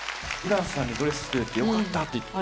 「ＵｒａＮさんにドレス作れてよかった」って。